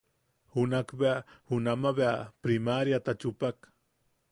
Junakbea junama bea priMaríata chupak.